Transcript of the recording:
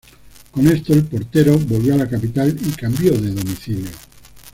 Con esto, el portero volvió a la capital y cambió de domicilio.